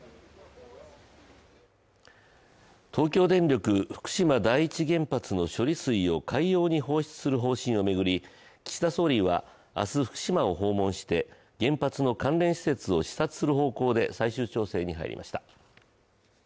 東京電力福島第一原発の処理水を海洋に放出する方針を巡り岸田総理は明日福島を訪問して原発の関連施設を視察する方向で最終調整に入りました。